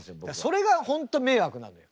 それが本当迷惑なのよ。